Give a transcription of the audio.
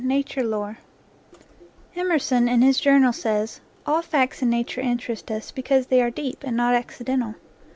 NATURE LORE EMERSON in his Journal says, "All facts in nature interest us because they are deep and not accidental."